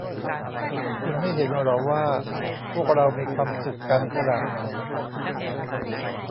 คุณไม่เห็นหรอว่าพวกเรามีความสุขกันขนาดไหน